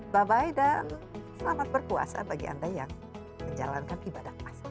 bye bye dan selamat berpuasa bagi anda yang menjalankan ibadah masyarakat